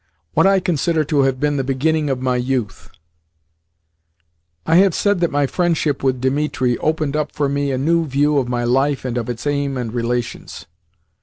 WHAT I CONSIDER TO HAVE BEEN THE BEGINNING OF MY YOUTH I have said that my friendship with Dimitri opened up for me a new view of my life and of its aim and relations.